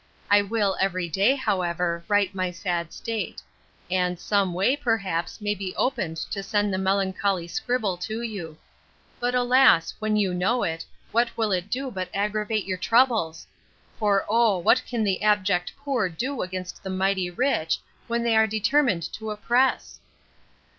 I will every day, however, write my sad state; and some way, perhaps, may be opened to send the melancholy scribble to you. But, alas! when you know it, what will it do but aggravate your troubles? For, O! what can the abject poor do against the mighty rich, when they are determined to oppress?